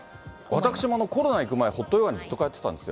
私もコロナの前、ホットヨガにずっと通ってたんですよ。